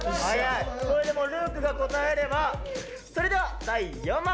これで琉巧が答えればそれでは第４問。